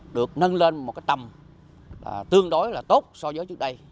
được nâng lên một cái tầm tương đối là tốt so với trước đây